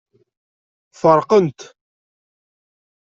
Feṛqen-t.